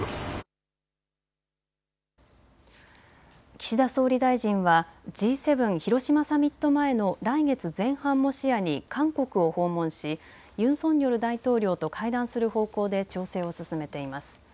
岸田総理大臣はＧ７広島サミット前の来月前半も視野に韓国を訪問し、ユン・ソンニョル大統領と会談する方向で調整を進めています。